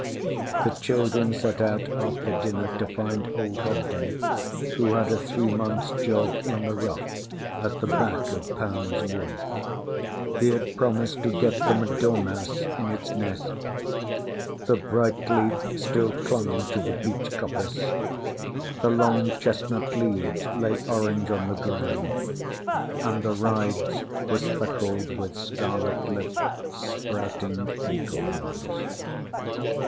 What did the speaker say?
The children set out after dinner to find old Hobden, who had a three monthsŌĆÖ job in the Rough at the back of PoundŌĆÖs Wood. He had promised to get them a dormouse in its nest. The bright leaf Still clung to the beech coppice; the long chestnut leaves lay orange on the ground, and the rides were speckled with scarlet lipped sprouting acorns.